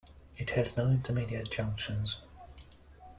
It has no intermediate junctions.